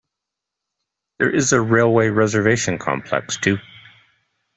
There is a Railway Reservation Complex too.